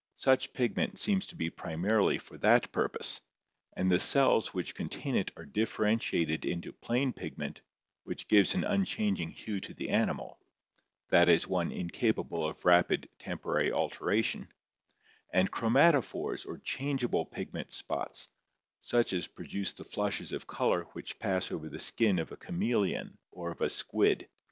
Such pigment seems to be primarily for that purpose, and the cells which contain it are differentiated into plain pigment, which gives an unchanging hue to the animal, that is, one incapable of rapid tem porary alteration, and chromatophores or changeable pigment spots, such as produce the flushes of color which pass over the skin of a chameleon or of a squid.